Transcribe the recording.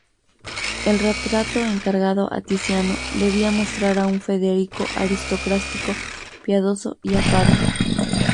El retrato encargado a Tiziano debía mostrar a un Federico aristocrático, piadoso y afable.